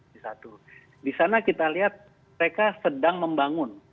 di sana kita lihat mereka sedang membangun